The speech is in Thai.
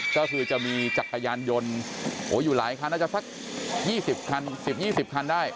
ก็จะมีจักรยานยนตร์อยู่หลายครั้งน่าจะสัก๒๐๒๐ครั้งได้